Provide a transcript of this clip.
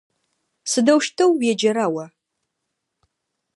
Сыдэущтэу уеджэра о?